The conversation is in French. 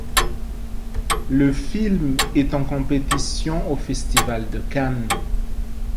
Le film est en compétition au Festival de Cannes.